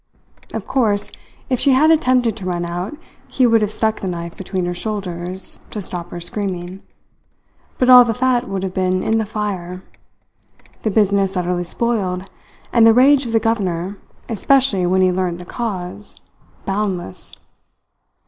Of course, if she had attempted to run out, he would have stuck the knife between her shoulders, to stop her screaming; but all the fat would have been in the fire, the business utterly spoiled, and the rage of the governor especially when he learned the cause boundless.